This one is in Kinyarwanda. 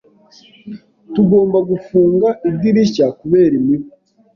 Tugomba gufunga idirishya kubera imibu.